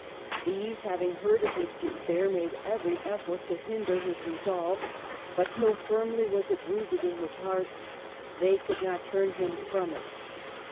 These, having heard of his despair, made every effort to hinder his resolve ; but so firmly was it rooted in his heart, they could not turn him from it.